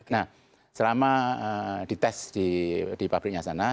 nah selama di tes di pabriknya sana